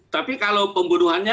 tapi kalau pembunuhannya